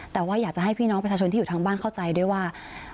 แต่ว่าอยากจะให้พี่น้องประชาชนที่อยู่ทางบ้านเข้าใจด้วยว่า